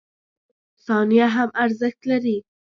• ثانیه هم ارزښت لري.